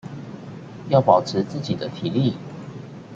且保持自己的體力